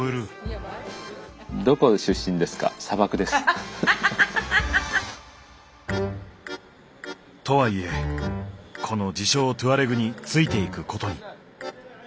ハハハハハハハハハ！とは言えこの自称トゥアレグについていくことに。